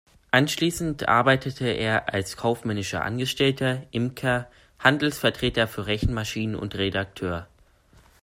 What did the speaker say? Anschließend arbeitete er als kaufmännischer Angestellter, Imker, Handelsvertreter für Rechenmaschinen und Redakteur.